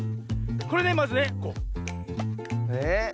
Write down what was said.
これねまずね。え？